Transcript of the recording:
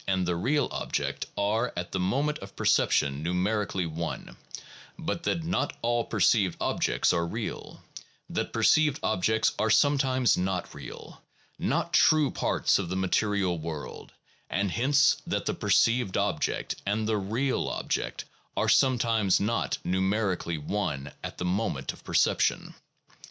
and the real object are at the moment of perception numerically one, but that not all perceived objects are real, that perceived objects are sometimes not real, not true parts of the material world, and hence that the perceived object and the real object are sometimes not numerically one at the moment of perception.